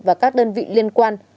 và các đơn vị liên quan